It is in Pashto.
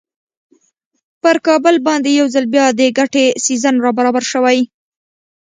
پر کابل باندې یو ځل بیا د ګټې سیزن را برابر شوی.